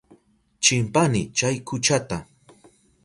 Chimpani chay kuchata.